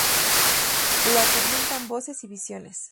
Lo atormentan voces y visiones.